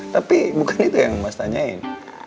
tapi bukan itu yang mas tanyain